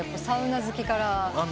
サウナ好きから？